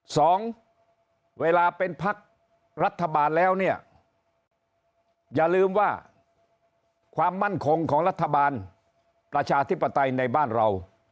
สองเวลาเป็นพักรัฐบาลแล้วเนี่ยอย่าลืมว่าความมั่นคงของรัฐบาลประชาธิปไตยในบ้านเรา